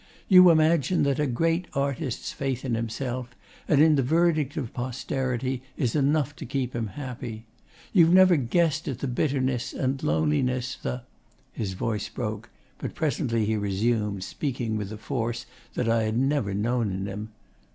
You imagine that a great artist's faith in himself and in the verdict of posterity is enough to keep him happy.... You've never guessed at the bitterness and loneliness, the' his voice broke; but presently he resumed, speaking with a force that I had never known in him.